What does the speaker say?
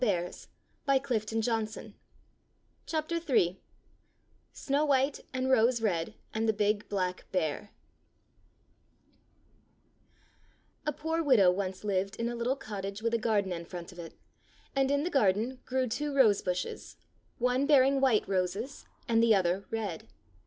SNOW WHITE AND ROSE RED AND THE BIG BLACK BEAR SNOW WHITE AND ROSE RED AND THE BIG BLACK BEAR POOR widow once lived in a little cottage with a garden in front of it. and in the garden grew two rose bushes, one bearing white roses and the other red.